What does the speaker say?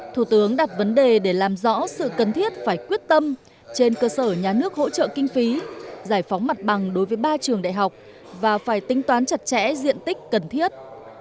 thủ tướng đặt vấn đề để làm rõ sự cần thiết phải quyết tâm trên cơ sở nhà nước hỗ trợ kinh phí giải phóng mặt bằng đối với ba trường đại học và phải tính toán chặt chẽ diện tích cần thiết